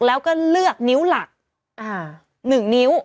แล้วก็เลือกนิ้วหลัก๑นิ้ว